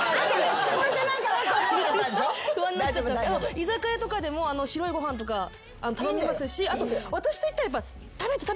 居酒屋とかでも白いご飯とか頼みますしあと私と行ったら。